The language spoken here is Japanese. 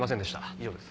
以上です。